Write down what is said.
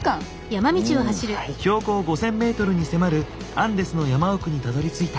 標高５，０００ｍに迫るアンデスの山奥にたどりついた。